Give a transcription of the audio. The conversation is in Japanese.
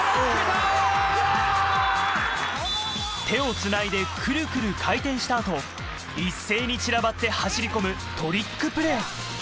手をつないで、クルクル回転したあと、一斉に散らばって走り込むトリックプレー。